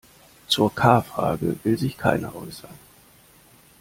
Zur K-Frage will sich keiner äußern.